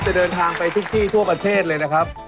เดินทางไปทุกที่ทั่วประเทศเลยนะครับ